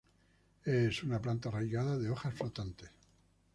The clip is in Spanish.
Es una planta arraigada de hojas flotantes.